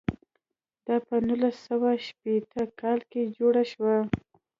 دا په نولس سوه شپېته کال کې جوړ شو.